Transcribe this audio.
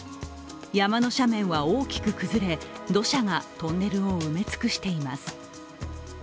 山の斜面は大きく崩れ、土砂がトンネルを埋め尽くしています。